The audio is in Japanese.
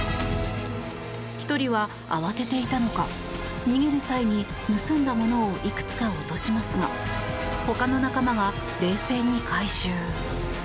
１人は、慌てていたのか逃げる際に盗んだものをいくつか落としますが他の仲間が冷静に回収。